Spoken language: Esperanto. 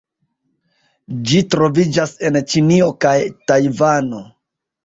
Ĝi troviĝas en Ĉinio kaj Tajvano.